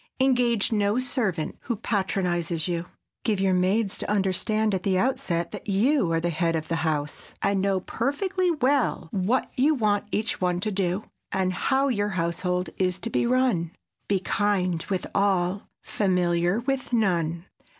Engage no servant who patronizes you. Give your maids to understand at the outset that you are the head of the house, and know perfectly well what you want each one to do, and how your household is to be run. Be kind with all—familiar with none.